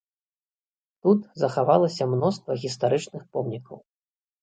Тут захавалася мноства гістарычных помнікаў.